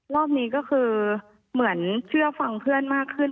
รอบนี้ก็คือเหมือนเชื่อฟังเพื่อนมากขึ้น